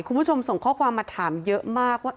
คุณผู้ชมส่งข้อความมาถามเยอะมากว่า